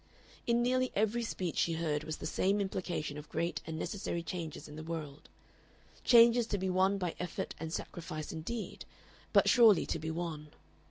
In nearly every speech she heard was the same implication of great and necessary changes in the world changes to be won by effort and sacrifice indeed, but surely to be won.